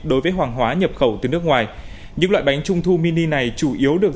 đối với hoàng hóa nhập khẩu từ nước ngoài những loại bánh trung thu mini này chủ yếu được